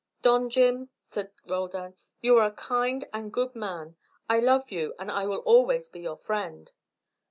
"Don Jim," said Roldan, "you are a kind and good man. I love you, and I will always be your friend."